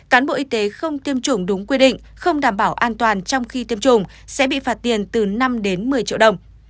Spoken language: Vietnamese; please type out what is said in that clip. cán bộ y tế không tiêm chủng đúng quy định không đảm bảo an toàn trong khi tiêm chủng sẽ bị phạt tiền từ năm đến một mươi triệu đồng